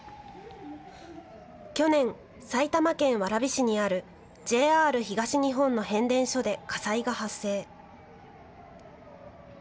去年、埼玉県蕨市にあるＪＲ東日本の変電所で火災が発生。